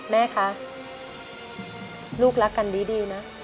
แม่คะลูกรักกันดีลนะ